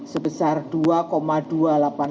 sebesar seratus juta rupiah